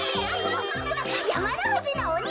やまのふじのおにだ。